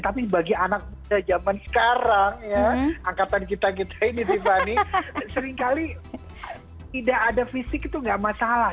tapi bagi anak anak jaman sekarang ya angkatan kita kita ini seringkali tidak ada fisik itu tidak masalah